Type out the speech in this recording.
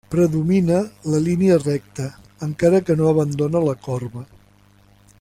Predomina la línia recta, encara que no abandona la corba.